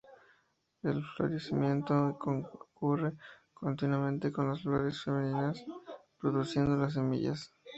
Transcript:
El florecimiento ocurre continuamente, con las flores femeninas produciendo las semillas.